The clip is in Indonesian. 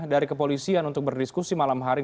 dari kepolisian untuk berdiskusi malam hari